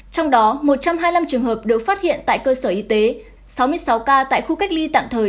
trong đó một trăm hai mươi năm trường hợp được phát hiện tại cơ sở y tế sáu mươi sáu ca tại khu cách ly tạm thời